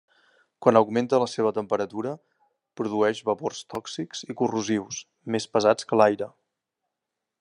Quan augmenta la seva temperatura produeix vapors tòxics i corrosius, més pesats que l'aire.